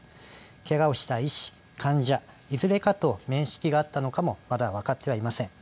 けがをした医師、患者いずれかと面識があったのかもまだ分かっていはいません。